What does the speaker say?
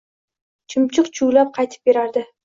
Chumchuq chuvlab qaytib berardi…